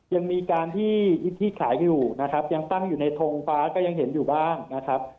ยังมีการที่ขายอยู่นะครับยังตั้งอยู่ในทงฟ้าก็ยังเห็นอยู่บ้างนะครับ